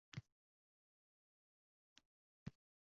Vataniga, o‘zbek xonadonlarida o‘z uylariga ega bo‘ldi